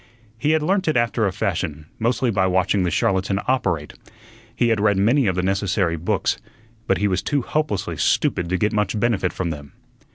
He had learnt it after a fashion, mostly by watching the charlatan operate. He had read many of the necessary books, but he was too hopelessly stupid to get much benefit from them.